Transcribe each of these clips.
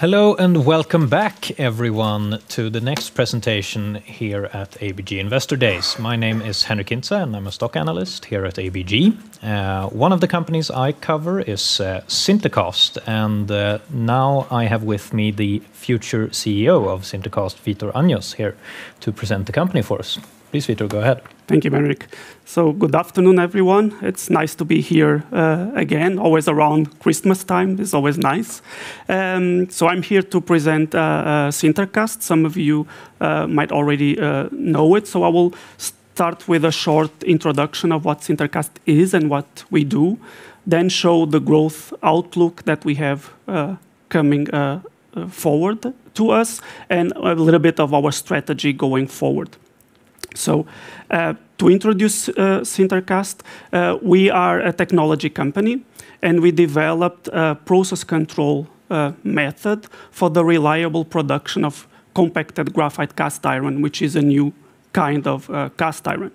Hello and welcome back, everyone, to the next presentation here at ABG Investor Days. My name is Henric Hintze, and I'm a stock analyst here at ABG. One of the companies I cover is SinterCast, and now I have with me the future CEO of SinterCast, Vítor Anjos, here to present the company for us. Please, Vítor, go ahead. Thank you, Henric. So good afternoon, everyone. It's nice to be here again, always around Christmas time. It's always nice. So I'm here to present SinterCast. Some of you might already know it. So I will start with a short introduction of what SinterCast is and what we do, then show the growth outlook that we have coming forward to us, and a little bit of our strategy going forward. So to introduce SinterCast, we are a technology company, and we developed a process control method for the reliable production of compacted graphite cast iron, which is a new kind of cast iron.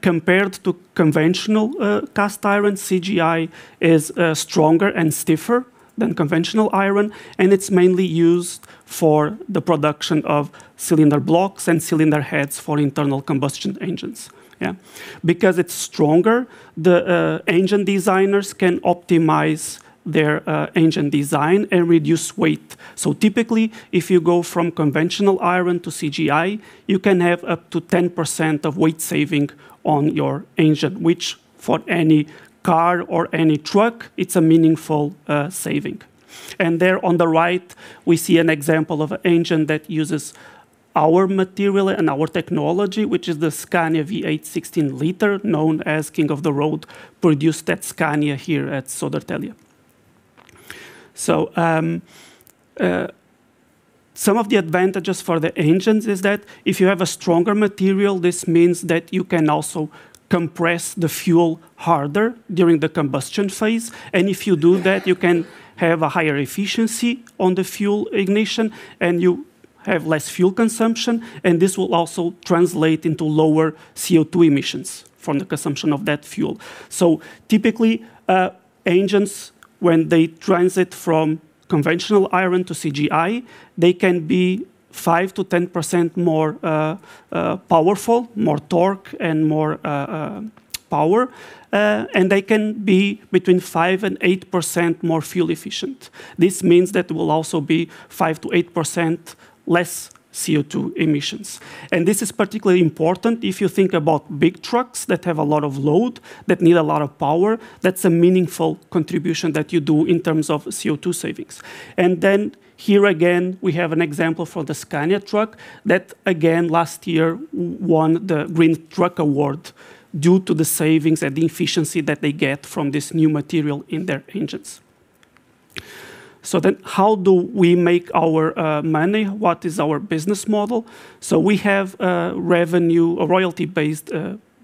Compared to conventional cast iron, CGI is stronger and stiffer than conventional iron, and it's mainly used for the production of cylinder blocks and cylinder heads for internal combustion engines. Because it's stronger, the engine designers can optimize their engine design and reduce weight. Typically, if you go from conventional iron to CGI, you can have up to 10% of weight saving on your engine, which for any car or any truck, it's a meaningful saving. There on the right, we see an example of an engine that uses our material and our technology, which is the Scania V8 16-liter, known as King of the Road, produced at Scania here at Södertälje. Some of the advantages for the engines is that if you have a stronger material, this means that you can also compress the fuel harder during the combustion phase. If you do that, you can have a higher efficiency on the fuel ignition, and you have less fuel consumption, and this will also translate into lower CO2 emissions from the consumption of that fuel. Typically, engines, when they transit from conventional iron to CGI, they can be 5%-10% more powerful, more torque, and more power, and they can be between 5% and 8% more fuel efficient. This means that it will also be 5%-8% less CO2 emissions. This is particularly important if you think about big trucks that have a lot of load, that need a lot of power. That's a meaningful contribution that you do in terms of CO2 savings. Then here again, we have an example from the Scania truck that, again, last year won the Green Truck Award due to the savings and the efficiency that they get from this new material in their engines. So then how do we make our money? What is our business model? So we have a revenue, a royalty-based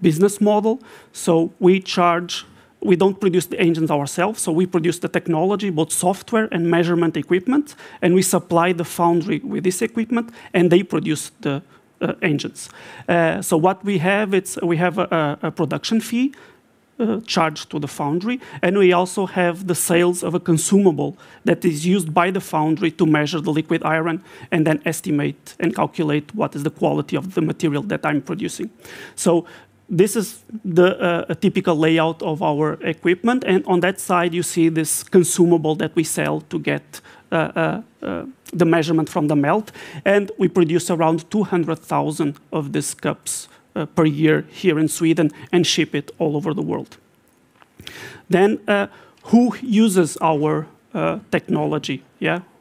business model. So we charge, we don't produce the engines ourselves, so we produce the technology, both software and measurement equipment, and we supply the foundry with this equipment, and they produce the engines. So what we have, we have a production fee charged to the foundry, and we also have the sales of a consumable that is used by the foundry to measure the liquid iron and then estimate and calculate what is the quality of the material that I'm producing. So this is a typical layout of our equipment, and on that side, you see this consumable that we sell to get the measurement from the melt, and we produce around 200,000 of these cups per year here in Sweden and ship it all over the world. Then who uses our technology,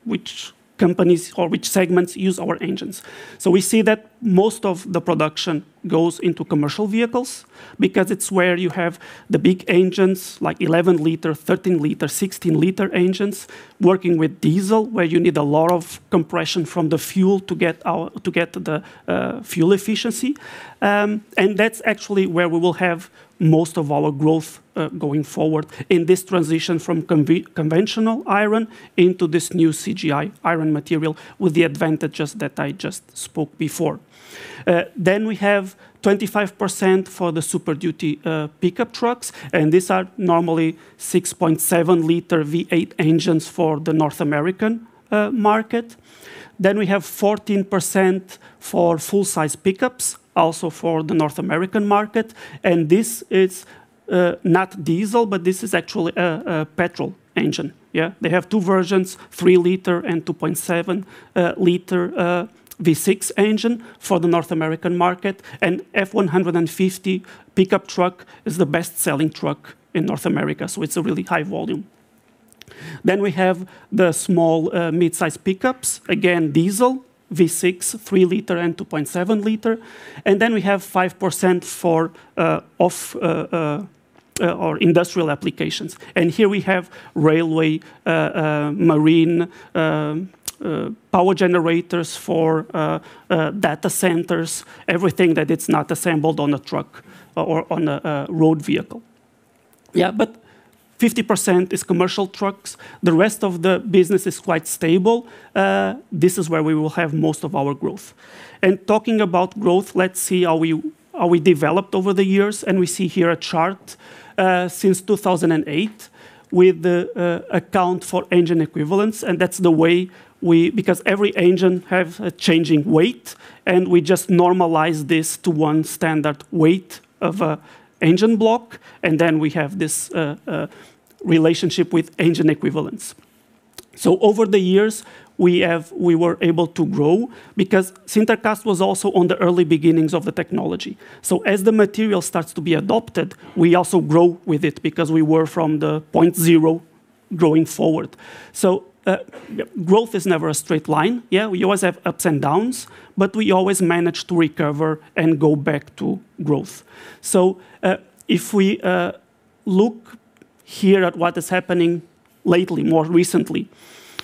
which companies or which segments use our engines? So we see that most of the production goes into commercial vehicles because it's where you have the big engines, like 11-liter, 13-liter, 16-liter engines, working with diesel, where you need a lot of compression from the fuel to get the fuel efficiency. That's actually where we will have most of our growth going forward in this transition from conventional iron into this new CGI iron material with the advantages that I just spoke before. Then we have 25% for the Super Duty pickup trucks, and these are normally 6.7-liter V8 engines for the North American market. Then we have 14% for full-size pickups, also for the North American market, and this is not diesel, but this is actually a petrol engine. They have two versions, 3-liter and 2.7-liter V6 engine for the North American market, and F-150 pickup truck is the best-selling truck in North America, so it's a really high volume. Then we have the small mid-size pickups, again, diesel, V6, 3-liter and 2.7-liter, and then we have 5% for industrial applications. Here we have railway, marine power generators for data centers, everything that is not assembled on a truck or on a road vehicle. Yeah, but 50% is commercial trucks. The rest of the business is quite stable. This is where we will have most of our growth. And talking about growth, let's see how we developed over the years, and we see here a chart since 2008 with the count for engine equivalents, and that's the way we, because every engine has a changing weight, and we just normalize this to one standard weight of an engine block, and then we have this relationship with engine equivalents. So over the years, we were able to grow because SinterCast was also on the early beginnings of the technology. So as the material starts to be adopted, we also grow with it because we were from the point zero going forward. So growth is never a straight line. Yeah, we always have ups and downs, but we always manage to recover and go back to growth. So if we look here at what is happening lately, more recently,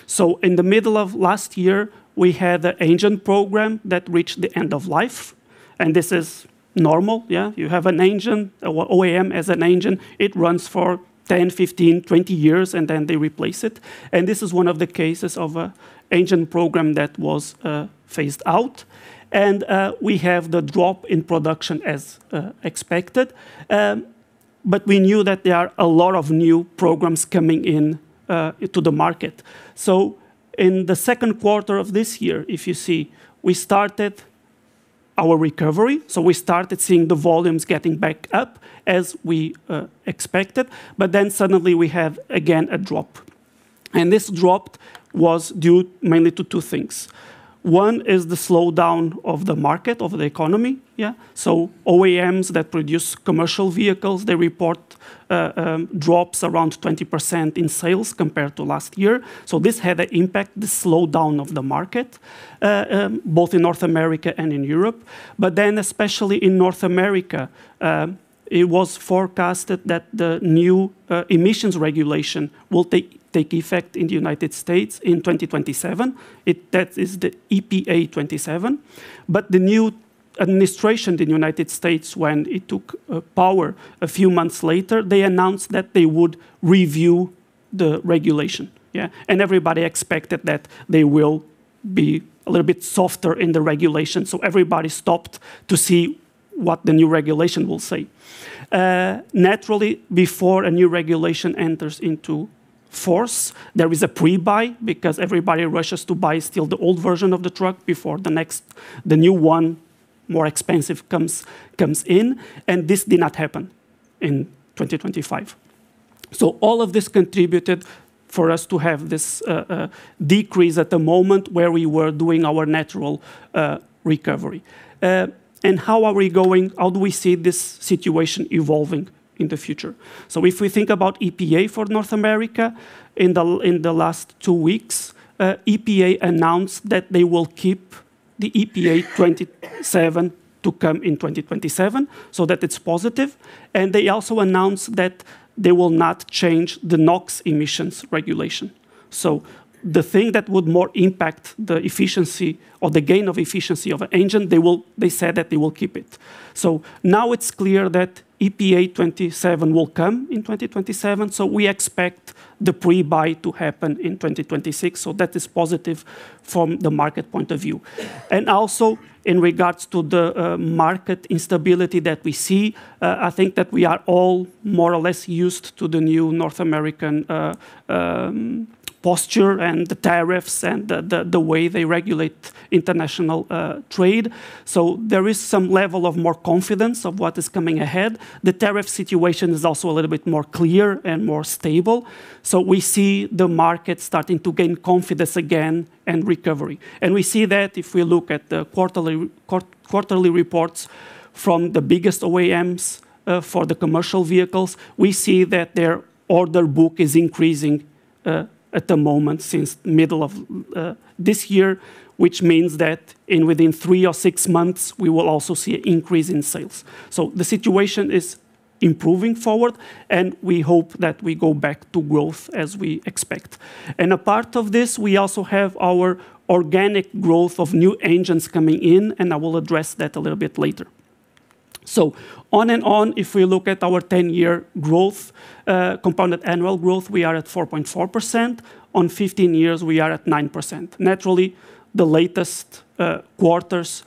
so in the middle of last year, we had an engine program that reached the end of life, and this is normal. Yeah, you have an engine, OEM has an engine, it runs for 10, 15, 20 years, and then they replace it. This is one of the cases of an engine program that was phased out, and we have the drop in production as expected, but we knew that there are a lot of new programs coming into the market. So in the second quarter of this year, if you see, we started our recovery, so we started seeing the volumes getting back up as we expected, but then suddenly we have again a drop. This drop was due mainly to two things. One is the slowdown of the market, of the economy. Yeah, so OEMs that produce commercial vehicles, they report drops around 20% in sales compared to last year. So this had an impact, the slowdown of the market, both in North America and in Europe. Then especially in North America, it was forecasted that the new emissions regulation will take effect in the United States in 2027. That is the EPA '27, but the new administration in the United States, when it took power a few months later, they announced that they would review the regulation. Everybody expected that they will be a little bit softer in the regulation, so everybody stopped to see what the new regulation will say. Naturally, before a new regulation enters into force, there is a pre-buy because everybody rushes to buy still the old version of the truck before the next, the new one, more expensive comes in, and this did not happen in 2025, so all of this contributed for us to have this decrease at the moment where we were doing our natural recovery, and how are we going? How do we see this situation evolving in the future, so if we think about EPA for North America, in the last two weeks, EPA announced that they will keep the EPA '27 to come in 2027 so that it's positive, and they also announced that they will not change the NOx emissions regulation. So the thing that would more impact the efficiency or the gain of efficiency of an engine, they said that they will keep it. So now it's clear that EPA '27 will come in 2027, so we expect the pre-buy to happen in 2026, so that is positive from the market point of view. In regards to the market instability that we see, I think that we are all more or less used to the new North American posture and the tariffs and the way they regulate international trade. So there is some level of more confidence of what is coming ahead. The tariff situation is also a little bit more clear and more stable, so we see the market starting to gain confidence again and recovery. We see that if we look at the quarterly reports from the biggest OEMs for the commercial vehicles, we see that their order book is increasing at the moment since the middle of this year, which means that within three or six months, we will also see an increase in sales. The situation is improving forward, and we hope that we go back to growth as we expect. A part of this, we also have our organic growth of new engines coming in, and I will address that a little bit later. On and on, if we look at our 10-year growth, compounded annual growth, we are at 4.4%. On 15 years, we are at 9%. Naturally, the latest quarters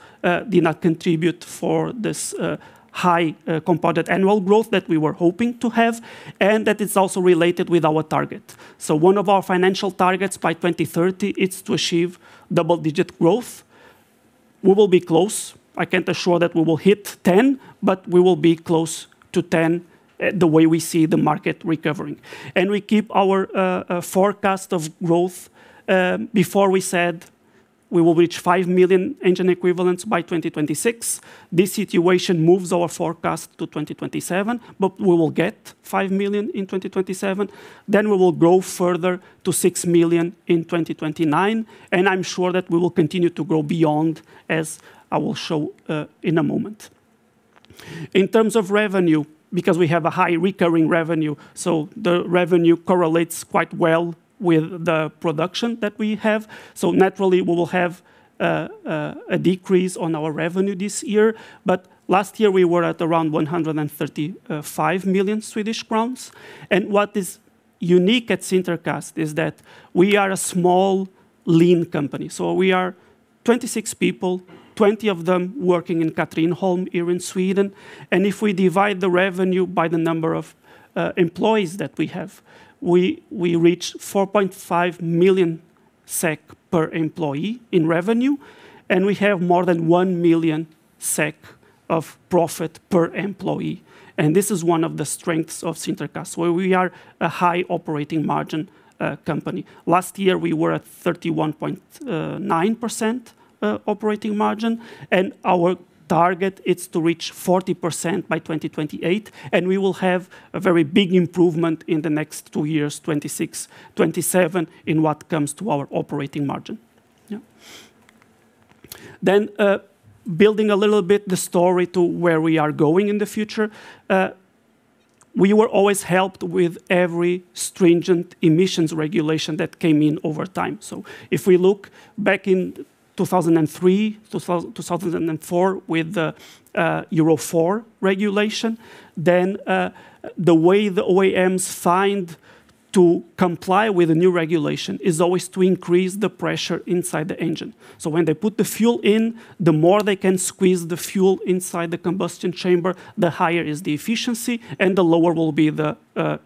did not contribute for this high compounded annual growth that we were hoping to have, and that is also related with our target. One of our financial targets by 2030 is to achieve double-digit growth. We will be close. I can't assure that we will hit 10, but we will be close to 10 the way we see the market recovering. We keep our forecast of growth before we said we will reach 5 million engine equivalents by 2026. This situation moves our forecast to 2027, but we will get 5 million in 2027. Then we will grow further to 6 million in 2029, and I'm sure that we will continue to grow beyond, as I will show in a moment. In terms of revenue, because we have a high recurring revenue, so the revenue correlates quite well with the production that we have. So naturally, we will have a decrease on our revenue this year, but last year, we were at around 135 million Swedish crowns. What is unique at SinterCast is that we are a small, lean company. We are 26 people, 20 of them working in Katrineholm here in Sweden. If we divide the revenue by the number of employees that we have, we reach 4.5 million SEK per employee in revenue, and we have more than one million SEK of profit per employee. This is one of the strengths of SinterCast, where we are a high operating margin company. Last year, we were at 31.9% operating margin, and our target is to reach 40% by 2028, and we will have a very big improvement in the next two years, 2026, 2027, in what comes to our operating margin. Building a little bit the story to where we are going in the future, we were always helped with every stringent emissions regulation that came in over time. So if we look back in 2003, 2004 with the Euro 4 regulation, then the way the OEMs find to comply with the new regulation is always to increase the pressure inside the engine. So when they put the fuel in, the more they can squeeze the fuel inside the combustion chamber, the higher is the efficiency, and the lower will be the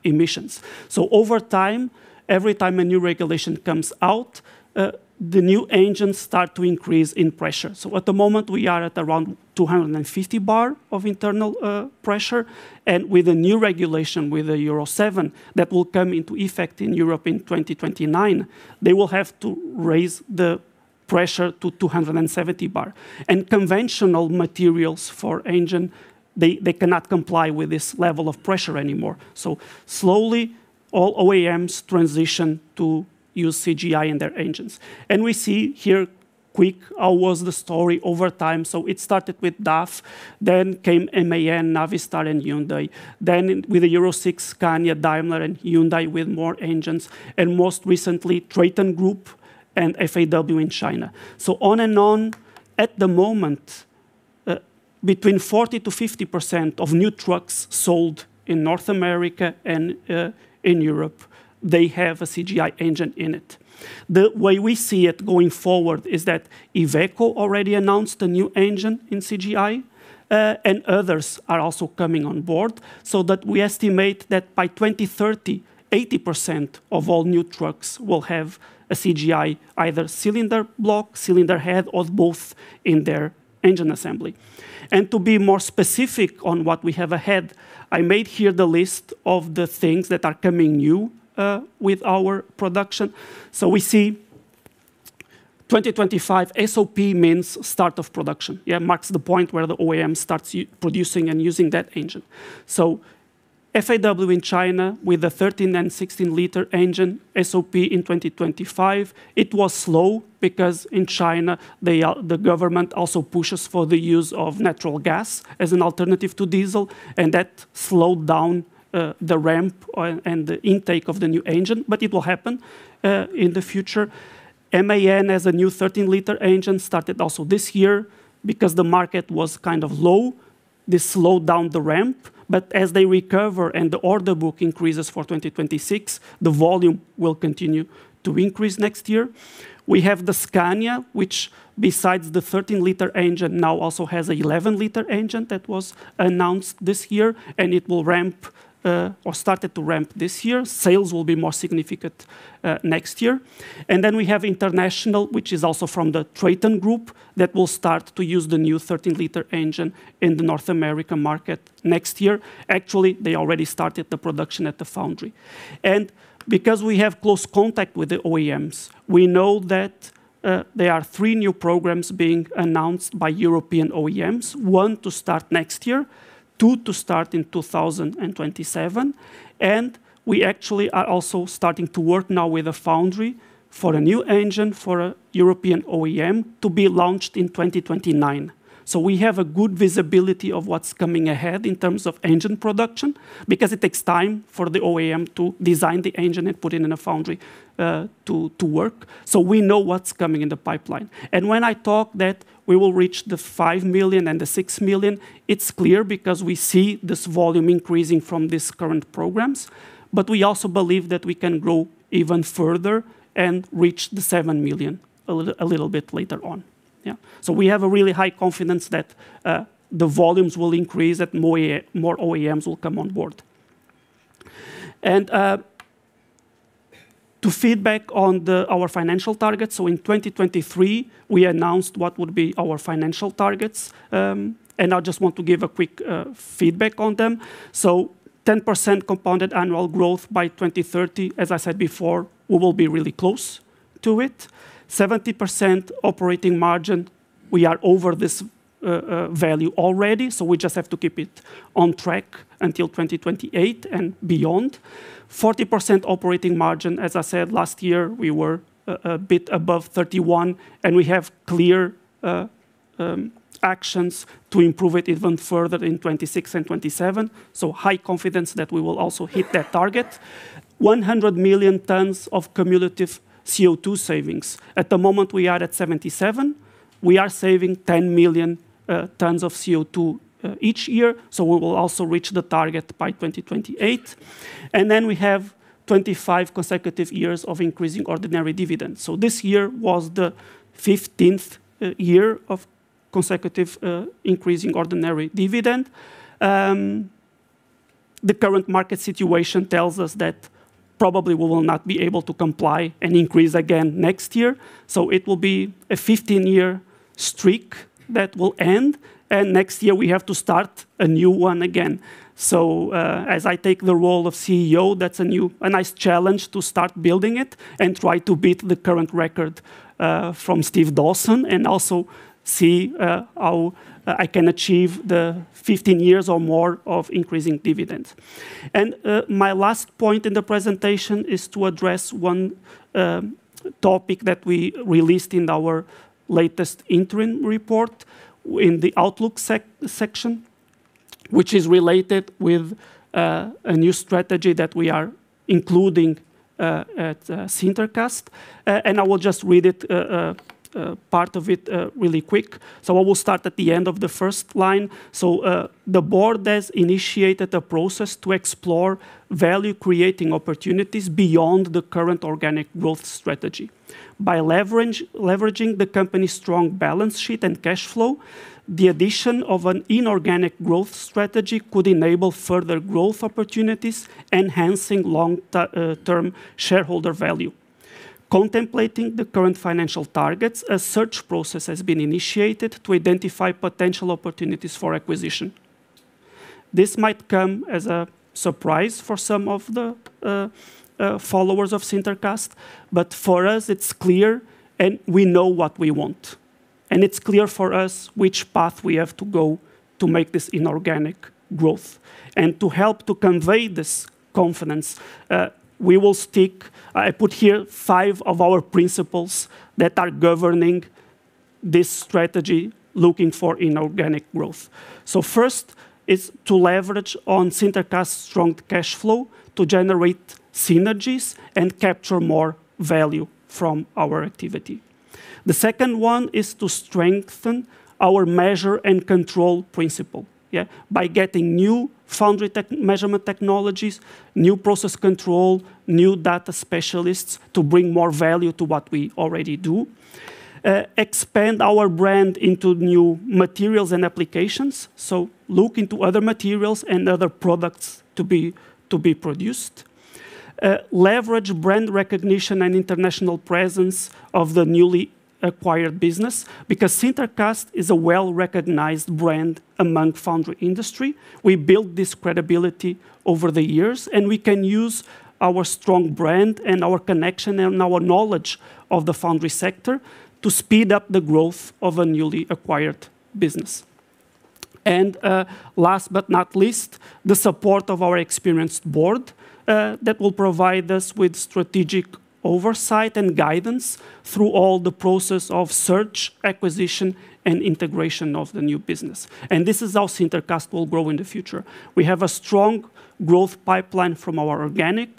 emissions. So over time, every time a new regulation comes out, the new engines start to increase in pressure. So at the moment, we are at around 250 bar of internal pressure, and with a new regulation with the Euro 7 that will come into effect in Europe in 2029, they will have to raise the pressure to 270 bar. Conventional materials for engine, they cannot comply with this level of pressure anymore. So slowly, all OEMs transition to use CGI in their engines. We see here quick, how was the story over time? It started with DAF, then came MAN, Navistar, and Hyundai, then with the Euro 6, Scania, Daimler, and Hyundai with more engines, and most recently, Traton Group and FAW in China. On and on, at the moment, between 40%-50% of new trucks sold in North America and in Europe, they have a CGI engine in it. The way we see it going forward is that Iveco already announced a new engine in CGI, and others are also coming on board, so that we estimate that by 2030, 80% of all new trucks will have a CGI, either cylinder block, cylinder head, or both in their engine assembly. To be more specific on what we have ahead, I made here the list of the things that are coming new with our production. So we see 2025 SOP means start of production. Yeah, marks the point where the OEM starts producing and using that engine. So FAW in China with the 13- and 16-liter engine SOP in 2025, it was slow because in China, the government also pushes for the use of natural gas as an alternative to diesel, and that slowed down the ramp and the intake of the new engine, but it will happen in the future. MAN has a new 13-liter engine started also this year because the market was kind of low. This slowed down the ramp, but as they recover and the order book increases for 2026, the volume will continue to increase next year. We have the Scania, which besides the 13-liter engine, now also has an 11-liter engine that was announced this year, and it will ramp or started to ramp this year. Sales will be more significant next year, and then we have International, which is also from the Traton Group, that will start to use the new 13-liter engine in the North America market next year. Actually, they already started the production at the foundry, and because we have close contact with the OEMs, we know that there are three new programs being announced by European OEMs. One to start next year, two to start in 2027, and we actually are also starting to work now with a foundry for a new engine for a European OEM to be launched in 2029. So we have a good visibility of what's coming ahead in terms of engine production because it takes time for the OEM to design the engine and put it in a foundry to work. So we know what's coming in the pipeline. When I talk that we will reach the 5 million and the 6 million, it's clear because we see this volume increasing from these current programs, but we also believe that we can grow even further and reach the 7 million a little bit later on. Yeah, so we have a really high confidence that the volumes will increase and more OEMs will come on board. To feedback on our financial targets, so in 2023, we announced what would be our financial targets, and I just want to give a quick feedback on them. So 10% compounded annual growth by 2030, as I said before, we will be really close to it. 70% operating margin, we are over this value already, so we just have to keep it on track until 2028 and beyond. 40% operating margin, as I said last year, we were a bit above 31, and we have clear actions to improve it even further in 2026 and 2027. So high confidence that we will also hit that target. 100 million tons of cumulative CO2 savings. At the moment, we are at 77. We are saving 10 million tons of CO2 each year, so we will also reach the target by 2028. Then we have 25 consecutive years of increasing ordinary dividends. So this year was the 15th year of consecutive increasing ordinary dividend. The current market situation tells us that probably we will not be able to comply and increase again next year, so it will be a 15-year streak that will end, and next year, we have to start a new one again. So as I take the role of CEO, that's a nice challenge to start building it and try to beat the current record from Steve Dawson and also see how I can achieve the 15 years or more of increasing dividends, and my last point in the presentation is to address one topic that we released in our latest interim report in the Outlook section, which is related with a new strategy that we are including at SinterCast, and I will just read part of it really quick, so I will start at the end of the first line. So the board has initiated a process to explore value-creating opportunities beyond the current organic growth strategy. By leveraging the company's strong balance sheet and cash flow, the addition of an inorganic growth strategy could enable further growth opportunities, enhancing long-term shareholder value. Contemplating the current financial targets, a search process has been initiated to identify potential opportunities for acquisition. This might come as a surprise for some of the followers of SinterCast, but for us, it's clear, and we know what we want. It's clear for us which path we have to go to make this inorganic growth. To help to convey this confidence, we will stick, I put here, five of our principles that are governing this strategy looking for inorganic growth. So first is to leverage on SinterCast's strong cash flow to generate synergies and capture more value from our activity. The second one is to strengthen our measure and control principle, yeah, by getting new foundry measurement technologies, new process control, new data specialists to bring more value to what we already do. Expand our brand into new materials and applications, so look into other materials and other products to be produced. Leverage brand recognition and international presence of the newly acquired business because SinterCast is a well-recognized brand among foundry industry. We built this credibility over the years, and we can use our strong brand and our connection and our knowledge of the foundry sector to speed up the growth of a newly acquired business. Last but not least, the support of our experienced board that will provide us with strategic oversight and guidance through all the process of search, acquisition, and integration of the new business. This is how SinterCast will grow in the future. We have a strong growth pipeline from our organic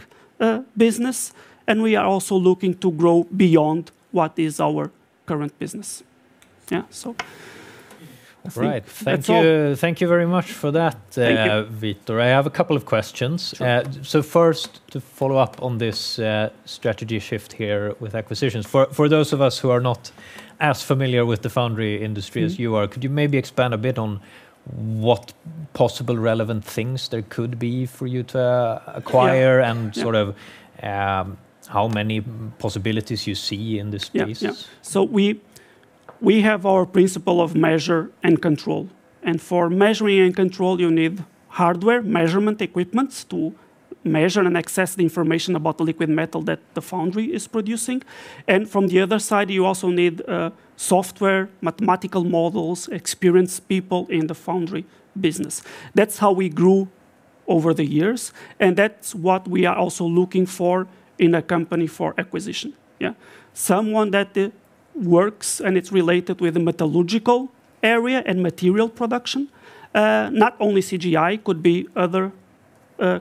business, and we are also looking to grow beyond what is our current business. Yeah, so. All right. Thank you very much for that, Vítor. I have a couple of questions. So first, to follow up on this strategy shift here with acquisitions, for those of us who are not as familiar with the foundry industry as you are, could you maybe expand a bit on what possible relevant things there could be for you to acquire and sort of how many possibilities you see in this space? Yeah, so we have our principle of measure and control. For measuring and control, you need hardware measurement equipment to measure and access the information about the liquid metal that the foundry is producing. From the other side, you also need software, mathematical models, experienced people in the foundry business. That's how we grew over the years, and that's what we are also looking for in a company for acquisition. Yeah, someone that works and is related with the metallurgical area and material production, not only CGI, could be other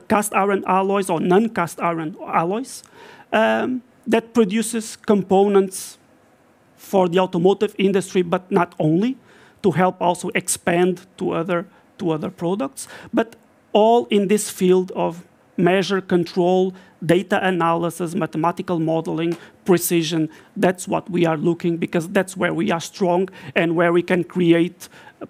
cast iron alloys or non-cast iron alloys that produce components for the automotive industry, but not only to help also expand to other products. All in this field of measure, control, data analysis, mathematical modeling, precision, that's what we are looking for because that's where we are strong and where we can create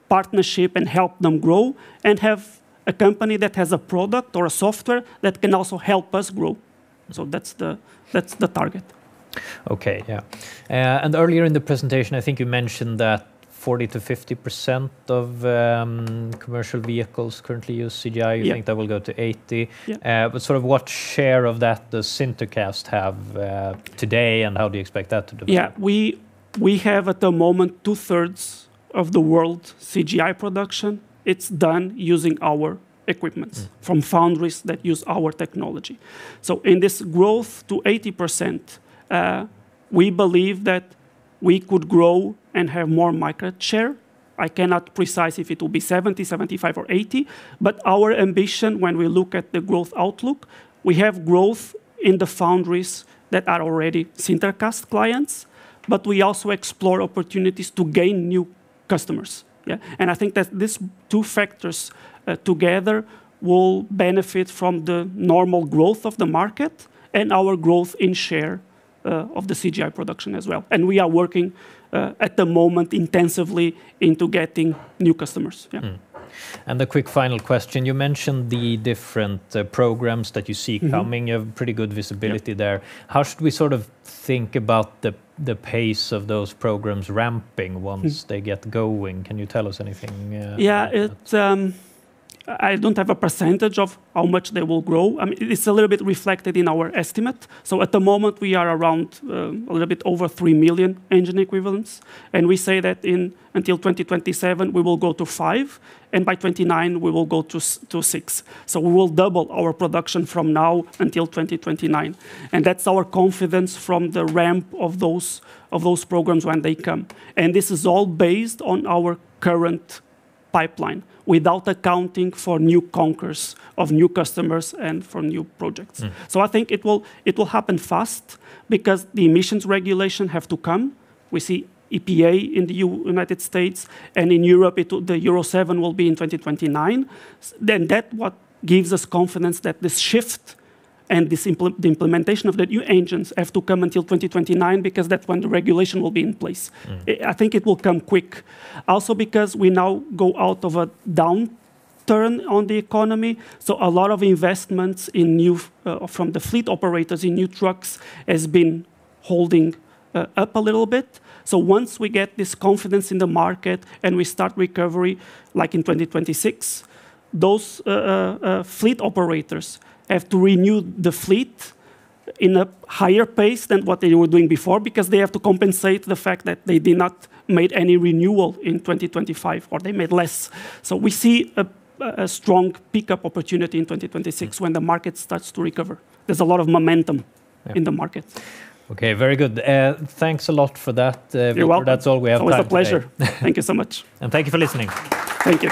partnerships and help them grow and have a company that has a product or a software that can also help us grow. So that's the target. Okay, yeah. Earlier in the presentation, I think you mentioned that 40%-50% of commercial vehicles currently use CGI. You think that will go to 80%. Sort of what share of that does SinterCast have today, and how do you expect that to develop? Yeah, we have at the moment two-thirds of the world's CGI production. It's done using our equipment from foundries that use our technology. So in this growth to 80%, we believe that we could grow and have more market share. I cannot predict if it will be 70%, 75%, or 80%, but our ambition when we look at the growth outlook, we have growth in the foundries that are already SinterCast clients, but we also explore opportunities to gain new customers. I think that these two factors together will benefit from the normal growth of the market and our growth in share of the CGI production as well. We are working at the moment intensively into getting new customers. And a quick final question. You mentioned the different programs that you see coming. You have pretty good visibility there. How should we sort of think about the pace of those programs ramping once they get going? Can you tell us anything? Yeah, I don't have a percentage of how much they will grow. I mean, it's a little bit reflected in our estimate. So at the moment, we are around a little bit over 3 million engine equivalents. We say that until 2027, we will go to five, and by 2029, we will go to six. So we will double our production from now until 2029. That's our confidence from the ramp of those programs when they come. This is all based on our current pipeline without accounting for new conquests of new customers and for new projects. So I think it will happen fast because the emissions regulation has to come. We see EPA in the United States and in Europe, the Euro 7 will be in 2029. Then that's what gives us confidence that this shift and the implementation of the new engines have to come until 2029 because that's when the regulation will be in place. I think it will come quick. Because we now go out of a downturn on the economy. So a lot of investments from the fleet operators in new trucks have been holding up a little bit. Once we get this confidence in the market and we start recovery like in 2026, those fleet operators have to renew the fleet at a higher pace than what they were doing before because they have to compensate for the fact that they did not make any renewal in 2025 or they made less. So we see a strong pickup opportunity in 2026 when the market starts to recover. There's a lot of momentum in the market. Okay, very good. Thanks a lot for that. You're welcome. That's all we have time for. It was a pleasure. Thank you so much. and thank you for listening. Thank you.